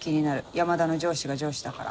山田の上司が上司だから。